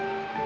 ya pak haji